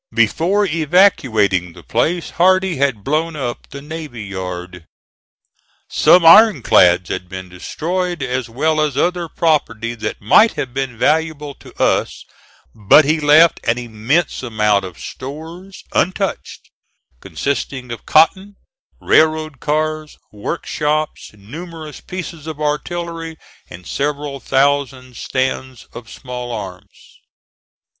Before evacuating the place Hardee had blown up the navy yard. Some iron clads had been destroyed, as well as other property that might have been valuable to us; but he left an immense amount of stores untouched, consisting of cotton, railroad cars, workshops, numerous pieces of artillery, and several thousand stands of small arms.